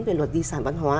về luật di sản bản hóa